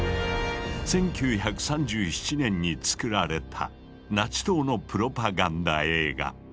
１９３７年に作られたナチ党のプロパガンダ映画。